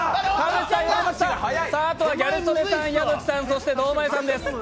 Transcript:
あとはギャル曽根さん矢吹さん、堂前さんです。